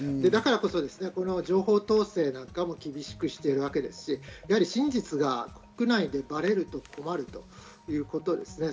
だからこそ、この情報統制なんかも厳しくしているわけですし、真実が国内でバレると困るということです。